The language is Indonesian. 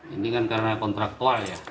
ini kan karena kontraktual ya